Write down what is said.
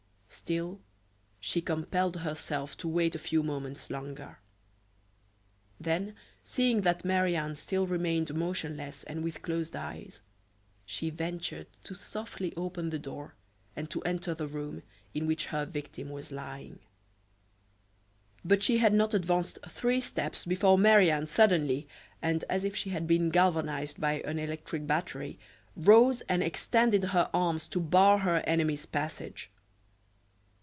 Still, she compelled herself to wait a few moments longer; then seeing that Marie Anne still remained motionless and with closed eyes, she ventured to softly open the door and to enter the room in which her victim was lying. But she had not advanced three steps before Marie Anne suddenly, and as if she had been galvanized by an electric battery, rose and extended her arms to bar her enemy's passage.